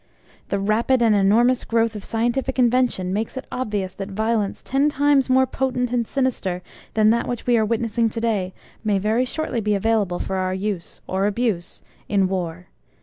The rapid and enormous growth of scientific invention makes it obvious that Violence ten times more potent and sinister than that which we are witnessing to day may very shortly be available for our use or abuse in War.